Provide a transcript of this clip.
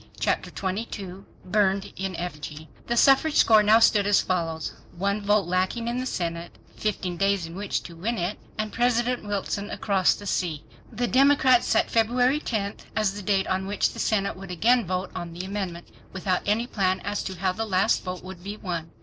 Chapter 22 Burned in Effigy The suffrage score now stood as follows: One vote lacking in the Senate, 15 days in which to win it, and President Wilson across the sea! The Democrats set February 10 as the date on which the Senate would again vote on the amendment, without any plan as to how the last vote would be won.